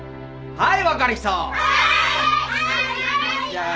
はい！